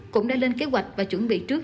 cũng đã lên kế hoạch và chuẩn bị trước